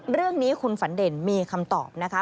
เรื่องนี้คุณฝันเด่นมีคำตอบนะคะ